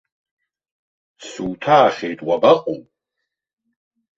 Суҭаахьеит уабаҟоу?